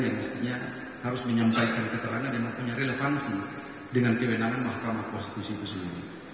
yang mestinya harus menyampaikan keterangan yang mempunyai relevansi dengan kewenangan mahkamah konstitusi itu sendiri